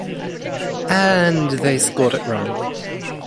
And they scored it wrong.